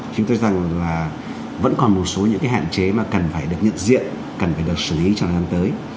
chúng ta thấy rằng là vẫn còn một số những hạn chế mà cần phải được nhận diện cần phải được xử lý trong năm tới